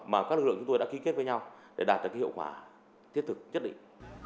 mà các lực lượng chúng tôi đã ký kết với nhau để đạt được hiệu quả thiết thực nhất định